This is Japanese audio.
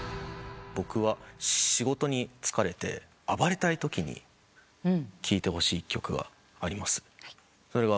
僕は仕事に疲れて暴れたいときに聴いてほしい一曲があります。